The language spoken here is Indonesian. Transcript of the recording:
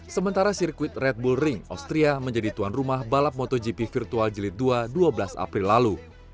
sementara sirkuit red bull ring austria menjadi tuan rumah balap motogp virtual jelit dua belas april lalu